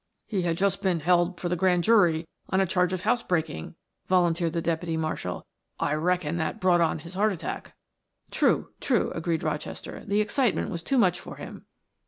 "He had just been held for the Grand Jury on a charge of house breaking," volunteered the deputy marshal. "I reckon that brought on his heart attack." "True, true," agreed Rochester. "The excitement was too much for him."